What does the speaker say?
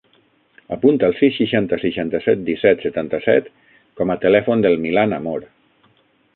Apunta el sis, seixanta, seixanta-set, disset, setanta-set com a telèfon del Milan Amor.